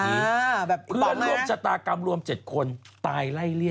เหมือนเด็กไวดุวันกระชอบไปบ้านพี่